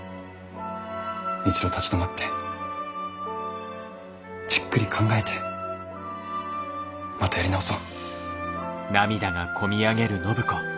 一度立ち止まってじっくり考えてまたやり直そう。